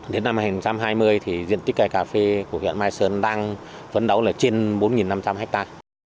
đến năm hai nghìn hai mươi thì diện tích cây cà phê của huyện mai sơn đang phấn đấu là trên bốn năm trăm linh ha